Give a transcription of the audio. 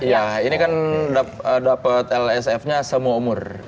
iya ini kan dapet lsf nya semua umur